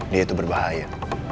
dia itu berbahaya